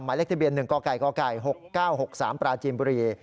เลขทะเบียน๑กก๖๙๖๓ปราจีนบุรี